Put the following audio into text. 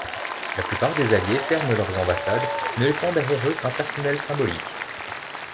La plupart des Alliés ferment leurs ambassades, ne laissant derrière eux qu'un personnel symbolique.